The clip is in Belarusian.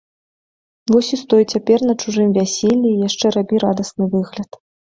Вось і стой цяпер на чужым вяселлі і яшчэ рабі радасны выгляд.